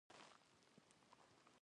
د غواګانو روغتیا د بازار لپاره مهمه ده.